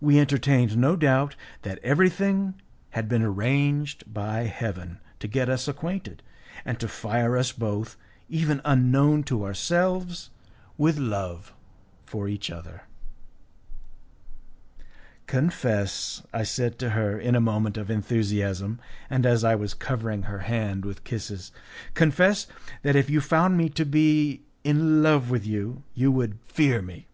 We entertained no doubt that everything had been arranged by Heaven to get us acquainted, and to fire us both, even unknown to ourselves, with love for each other. "Confess," I said to her, in a moment of enthusiasm, and as I was covering her hand with kisses, "confess that if you found me to be in love with you you would fear me."